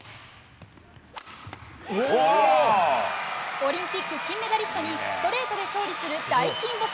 オリンピック金メダリストにストレートで勝利する大金星！